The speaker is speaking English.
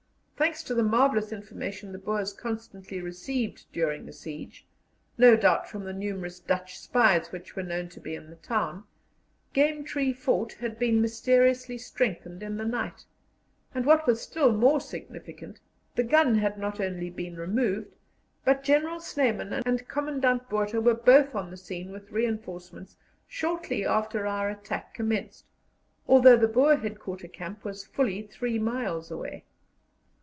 Thanks to the marvellous information the Boers constantly received during the siege, no doubt from the numerous Dutch spies which were known to be in the town, Game Tree Fort had been mysteriously strengthened in the night; and, what was still more significant, the gun had not only been removed, but General Snyman and Commandment Botha were both on the scene with reinforcements shortly after our attack commenced, although the Boer Headquarter camp was fully three miles away.